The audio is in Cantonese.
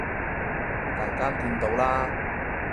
大家見到啦